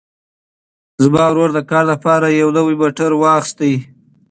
زما ورور د کار لپاره یو نوی موټر واخیست.